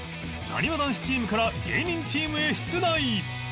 なにわ男子チームから芸人チームへ出題